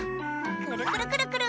くるくるくるくる！